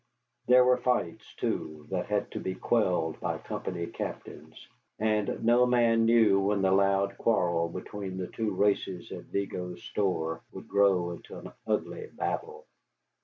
There were fights, too, that had to be quelled by company captains, and no man knew when the loud quarrel between the two races at Vigo's store would grow into an ugly battle.